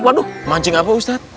waduh mancing apa ustadz